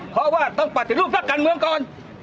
ปฏิรูปนักการเมืองก่อน